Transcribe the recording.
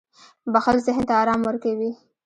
• بښل ذهن ته آرام ورکوي.